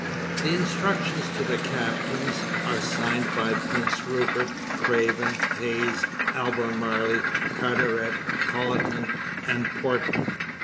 The instructions to the captains are signed by Prince Rupert, Craven, Hayes, Albemarle, Carteret, Colleton, and Portman.